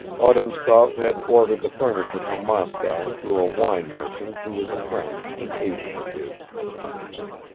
Odintsov had ordered the furniture from Moscow through a wine merchant who was a friend and agent of his.